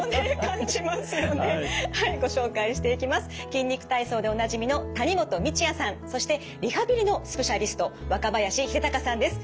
「筋肉体操」でおなじみの谷本道哉さんそしてリハビリのスペシャリスト若林秀隆さんです。